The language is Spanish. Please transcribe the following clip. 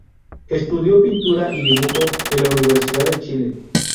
Estudió pintura y dibujo en la Universidad de Chile.